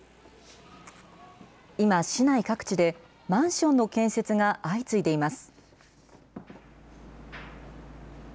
今、市内各地でマンションの建設が相次いでいます。